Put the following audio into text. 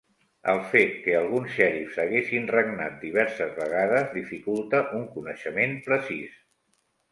El fet que alguns xerifs haguessin regnat diverses vegades dificulta un coneixement precís.